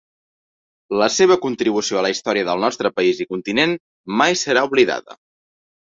La seva contribució a la història del nostre país i continent mai serà oblidada.